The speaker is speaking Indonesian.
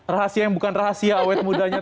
rahasia yang bukan rahasia awet mudanya